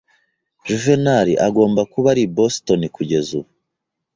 Juvenali agomba kuba ari i Boston kugeza ubu.